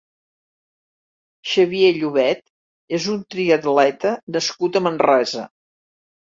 Xavier Llobet és un triatleta nascut a Manresa.